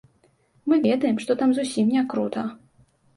Мы ведаем, што там зусім не крута.